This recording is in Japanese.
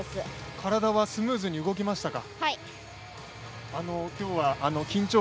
体はスムーズに動きましたか？